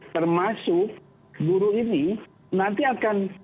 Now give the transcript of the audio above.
termasuk guru ini nanti akan